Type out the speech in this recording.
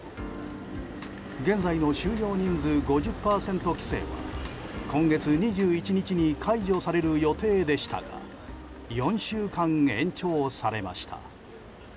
現在の収容人数５０％規制は今月２１日に解除される予定でしたが４週間延長されました。